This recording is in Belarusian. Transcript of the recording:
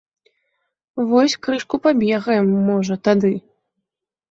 Вось крышку пабегаем, можа, тады.